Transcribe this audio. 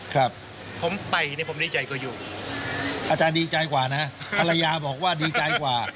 ครับผมไปเนี่ยผมดีใจกว่าอยู่อาจารย์ดีใจกว่านะภรรยาบอกว่าดีใจกว่า